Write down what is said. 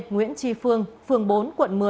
nguyễn tri phương phường bốn quận một mươi